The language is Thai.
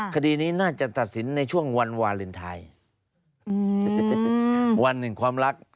คดีนี้น่าจะตัดสินในช่วงวันวาเลนไทยวันหนึ่งความรัก